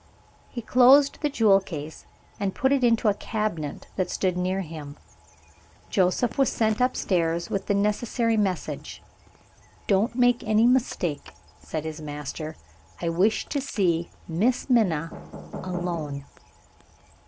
He closed the jewel case, and put it into a cabinet that stood near him. Joseph was sent upstairs, with the necessary message. "Don't make any mistake," said his master; "I wish to see Miss Minna, alone."